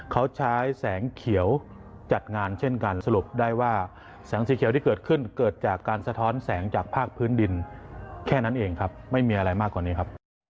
เขาใช้แสงเขียวจัดงานเช่นกันสรุปได้ว่าแสงสีเขียวที่เกิดขึ้นเกิดจากการสะท้อนแสงจากภาคพื้นดินแค่นั้นเองครับไม่มีอะไรมากกว่านี้ครับ